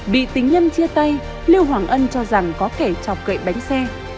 bị tính nhân chia tay lưu hoàng ân cho rằng có kẻ chọc kệ bánh xe